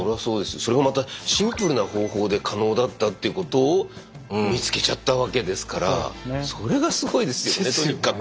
それがまたシンプルな方法で可能だったということを見つけちゃったわけですからそれがすごいですよねとにかく。